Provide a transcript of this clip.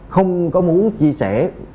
không có muốn chia sẻ